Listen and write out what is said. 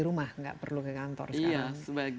rumah nggak perlu ke kantor sekarang